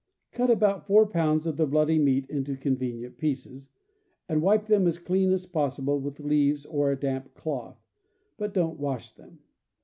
Cut about four pounds of the bloody meat into convenient pieces, and wipe them as clean as possible with leaves or a damp cloth, but don't wash them.